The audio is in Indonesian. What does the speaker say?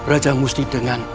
raja musti dengan